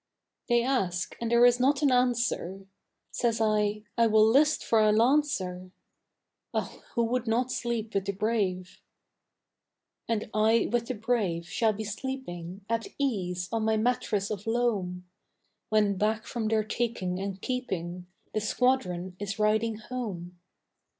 They ask and there is not an answer; Says I, I will 'list for a lancer, Oh who would not sleep with the brave? And I with the brave shall be sleeping At ease on my mattress of loam, When back from their taking and keeping The squadron is riding home.